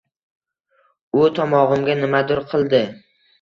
U tomog‘imga nimadir qildi.